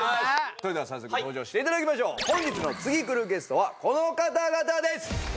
それでは早速登場していただきましょう本日の次くるゲストはこの方々です！